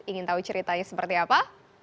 ingin tahu ceritanya seperti apa